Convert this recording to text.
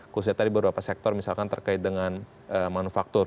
khususnya tadi beberapa sektor misalkan terkait dengan manufaktur